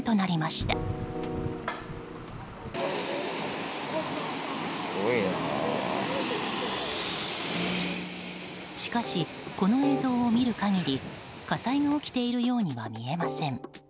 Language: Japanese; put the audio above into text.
しかし、この映像を見る限り火災が起きているようには見えません。